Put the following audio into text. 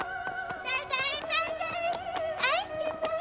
ただいまです。